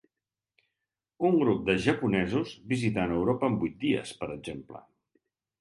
Un grup de japonesos visitant Europa en vuit dies, per exemple.